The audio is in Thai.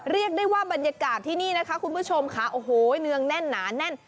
เรียกได้ว่าบรรยากาศที่นี่นะคะคุณผู้ชมค่ะโอ้โหเนืองแน่นหนาแน่น